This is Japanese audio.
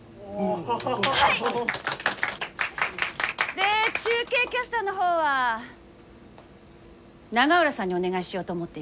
で中継キャスターの方は永浦さんにお願いしようと思っています。